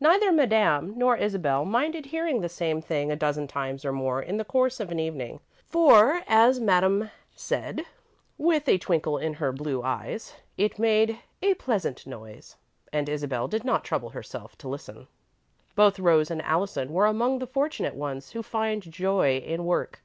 Neither Madame nor Isabel minded hearing the same thing a dozen times or more in the course of an evening, for, as Madame said, with a twinkle in her blue eyes, it made "a pleasant noise," and Isabel did not trouble herself to listen. Both Rose and Allison were among the fortunate ones who find joy in work.